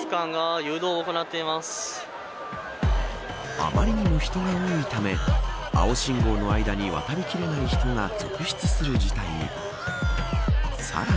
あまりにも人が多いため青信号の間に渡り切れない人が続出する事態に。